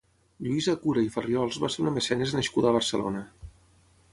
Lluïsa Cura i Farriols va ser una mecenes nascuda a Barcelona.